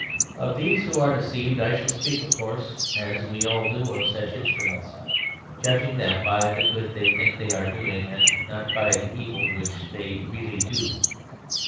Of these who are deceived I shall speak of course as we all do of such instruments; judging them by the good they think they are doing, and not by the evil which they really do.